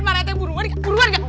pak rete buruan gak